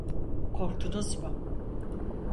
Korktunuz mu?